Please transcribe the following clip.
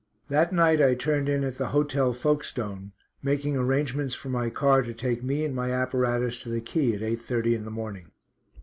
That night I turned in at the Hôtel Folkestone, making arrangements for my car to take me and my apparatus to the quay at 8.30 in the morning.